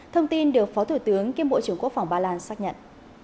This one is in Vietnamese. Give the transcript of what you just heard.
thông tin được phó thủ tướng kiêm bộ trưởng quốc phòng ba lan xác nhận